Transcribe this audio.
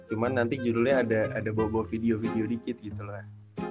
cuma nanti judulnya ada bawa bawa video video dikit gitu lah